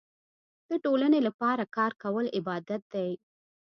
د ټولنې لپاره کار کول عبادت دی.